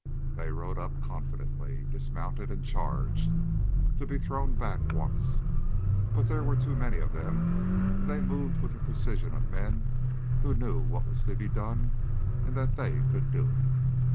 They rode up confidently, dismounted, and charged to be thrown back once. But there were too many of them, and they moved with the precision of men who knew what was to be done and that they could do it.